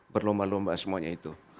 berlomba lomba semuanya itu